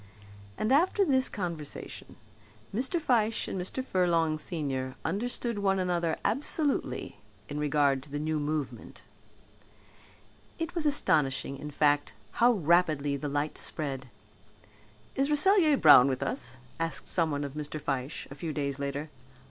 And after this conversation Mr. Fyshe and Mr. Furlong senior understood one another absolutely in regard to the new movement. It was astonishing in fact how rapidly the light spread. "Is Rasselyer Brown with us?" asked someone of Mr. Fyshe a few days later.